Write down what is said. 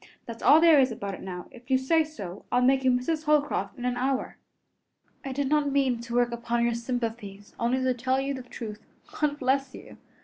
That's all there is about it now. If you say so, I'll make you Mrs. Holcroft in an hour." "I did not mean to work upon your sympathies, only to tell you the truth. God bless you!